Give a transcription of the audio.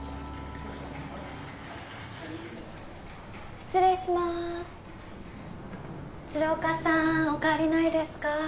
失礼しまーす鶴岡さーんお変わりないですか？